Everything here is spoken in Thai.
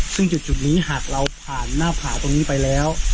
ซึ่งจุดนี้หากเราผ่านหน้าผาตรงนี้ไปแล้ว